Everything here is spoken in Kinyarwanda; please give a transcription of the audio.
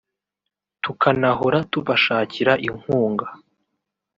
tukanahora tubashakira inkunga